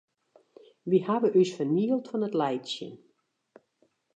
Wy hawwe ús fernield fan it laitsjen.